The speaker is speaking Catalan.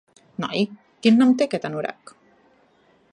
Noi, quin nom té aquest anorac?